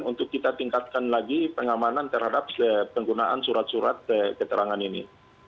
untuk kita tingkatkan lagi pengamanan terhadap penggunaan surat surat keterangan ini